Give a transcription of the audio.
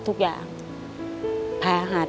ผมคิดว่าสงสารแกครับ